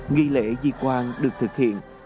nghi lễ di quan được thực hiện